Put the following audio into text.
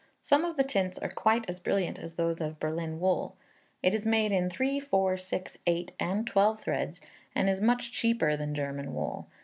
Some of the tints are quite as brilliant as those of Berlin wool. It is made in 3, 4, 6, 8, and 12 threads, and is much cheaper than German wool.